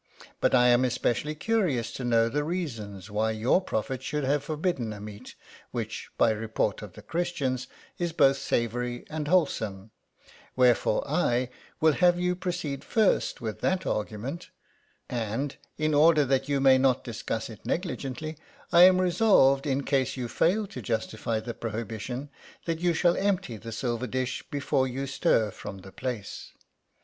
But I am especially curious to know the reasons why your prophet should have forbidden a meat, which by report of the Christians is both savoury and wholesome ; wherefore I will have you to proceed first with that argument ; and, in order that you may not discuss it negligently, I am resolved in case you fail to justify the prohibition, that you shall empty the silver dish before you stir from the place.